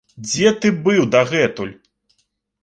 Дзе ты быў дагэтуль?